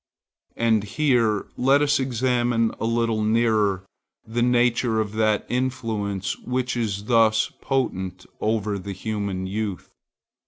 And here let us examine a little nearer the nature of that influence which is thus potent over the human youth.